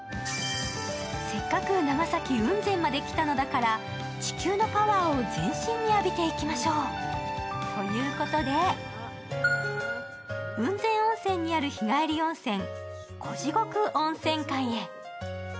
せっかく長崎・雲仙まで来たのだから地球のパワーを全身に浴びていきましょう。ということで、雲仙温泉にある日帰り温泉、小地獄温泉郷へ。